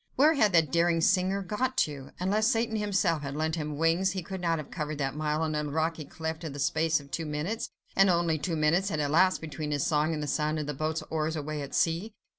Where had that daring singer got to? Unless Satan himself had lent him wings, he could not have covered that mile on a rocky cliff in the space of two minutes; and only two minutes had elapsed between his song and the sound of the boat's oars away at sea.